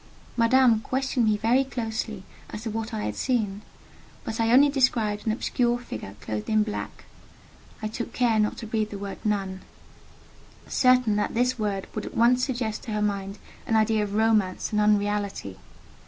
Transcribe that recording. Madame questioned me very closely as to what I had seen, but I only described an obscure figure clothed in black: I took care not to breathe the word "nun," certain that this word would at once suggest to her mind an idea of romance and unreality.